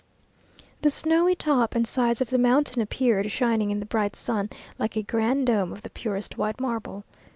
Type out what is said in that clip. The snowy top and sides of the mountain appeared, shining in the bright sun, like a grand dome of the purest white marble.